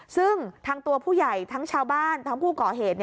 ซึ่งทางตัวผู้ใหญ่ทั้งชาวบ้านทั้งผู้ก่อเหตุ